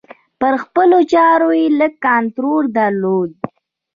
پر خپلو چارو یې لږ کنترول درلود.